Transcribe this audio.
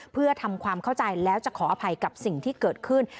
เพื่อทำความเข้าใจแล้วจะขออภัยกับสิ่งที่เกิดขึ้น